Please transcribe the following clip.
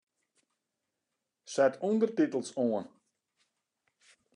Set ûndertitels oan.